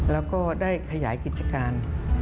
แล้วก็ได้ขยายกิจการ